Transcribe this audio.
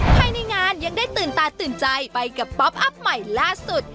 ภายในงานยังได้ตื่นตาตื่นใจไปกับป๊อปอัพใหม่ล่าสุด